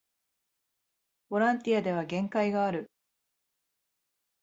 ボランティアでは限界がある